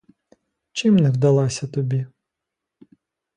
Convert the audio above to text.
Чим не вдалася тобі?.